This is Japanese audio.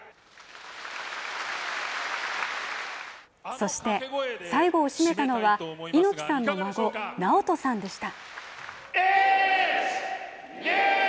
そして、最後を締めたのは猪木さんの孫、ナオトさんでした。